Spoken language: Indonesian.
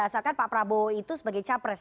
asalkan pak prabowo itu sebagai capres